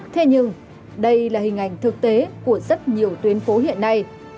thế nhưng đây là hình ảnh thực tế của rất nhiều tuyến phố hiện nay